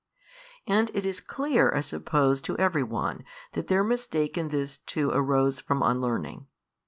And it is clear (I suppose) to every one, that their mistake in this too arose from unlearning.